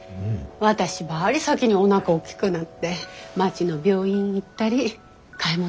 私ばり先におなか大きくなって町の病院行ったり買い物行ったり。